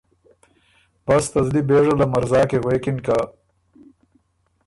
بس ته زلی بېژه له مرزا کی غوېکِن که